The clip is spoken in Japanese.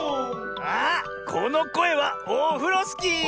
あっこのこえはオフロスキー！